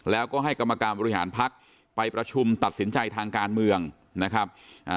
แล้วก็ให้กรรมการบริหารพักไปประชุมตัดสินใจทางการเมืองนะครับ